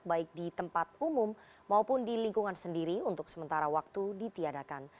baik di tempat umum maupun di lingkungan sendiri untuk sementara waktu ditiadakan